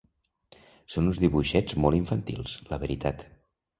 Són uns dibuixets molt infantils, la veritat.